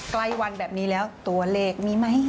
ใกล้วันแบบนี้แล้วตัวเลขมีไหม